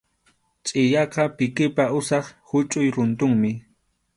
Chʼiyaqa pikipa usap huchʼuy runtunmi.